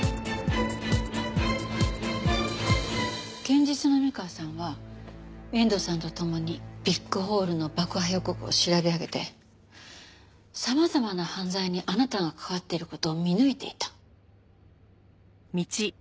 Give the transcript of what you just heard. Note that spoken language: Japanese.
現実の三河さんは遠藤さんと共にビッグホールの爆破予告を調べ上げて様々な犯罪にあなたが関わっている事を見抜いていた。